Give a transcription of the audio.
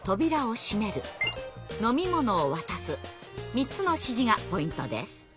３つの指示がポイントです。